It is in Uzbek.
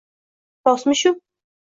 Rostmi shu?..